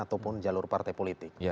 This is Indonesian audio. ataupun jalur partai politik